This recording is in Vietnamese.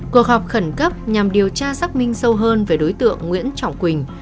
cuộc họp khẩn cấp nhằm điều tra xác minh sâu hơn về đối tượng nguyễn trọng quỳnh